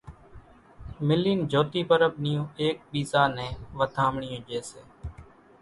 ملين جھوتي پرٻ نيون ايڪ ٻيزا نين وڌامڻيون ڄي سي۔